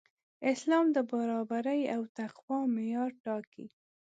اسلام د برابرۍ او تقوی معیار ټاکي.